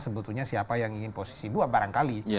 sebetulnya siapa yang ingin posisi dua barangkali